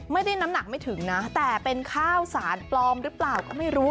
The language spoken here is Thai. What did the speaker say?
น้ำหนักไม่ถึงนะแต่เป็นข้าวสารปลอมหรือเปล่าก็ไม่รู้